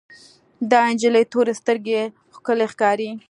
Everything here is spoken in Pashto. د انجلۍ تورې سترګې ښکلې ښکاري.